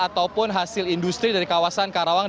ataupun hasil industri dari kawasan karawang